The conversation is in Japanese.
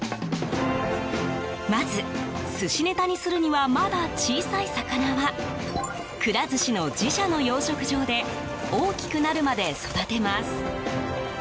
まず、寿司ネタにするにはまだ小さい魚はくら寿司の自社の養殖場で大きくなるまで育てます。